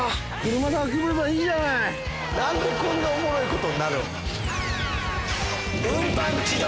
何でこんなおもろいことになるん。